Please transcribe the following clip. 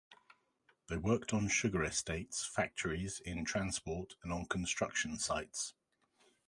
They worked on sugar estates, factories, in transport and on construction sites.